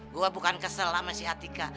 gue bukan kesel sama si atika